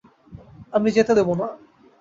আমি যেতে দেব না।